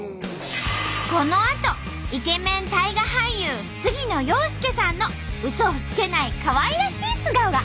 このあとイケメン大河俳優杉野遥亮さんのうそをつけないかわいらしい素顔が。